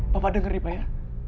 bapak dengar nih pak ya